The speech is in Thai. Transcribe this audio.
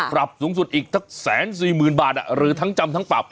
ปรับสูงสุดอีกทั้ง๑๔๐๐๐บาทหรือทั้งจำทั้งปรับ